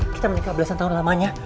kita menikah belasan tahun lamanya